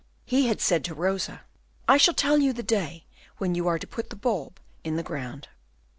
He had said to Rosa, "I shall tell you the day when you are to put the bulb in the ground."